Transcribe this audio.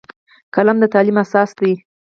قلم د تعلیم اساس دی